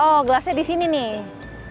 oh gelasnya di sini nih